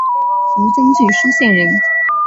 庐江郡舒县人。